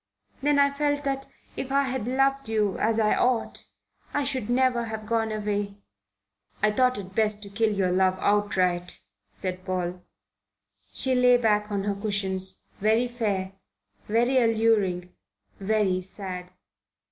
Then I felt that if I had loved you as I ought, I should never have gone away." "I thought it best to kill your love outright," said Paul. She lay back on her cushions, very fair, very alluring, very sad.